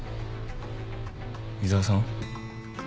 井沢さん？